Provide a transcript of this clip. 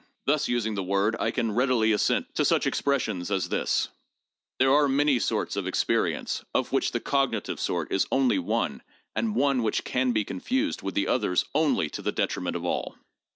Thus using the word, I can readily assent to such expressions as this : There are many sorts of experience of which the cognitive sort is only one and one which can be confused with the others only to the detriment of all.